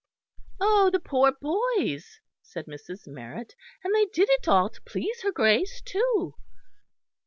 "Oh! the poor boys!" said Mrs. Marrett, "and they did it all to please her Grace, too."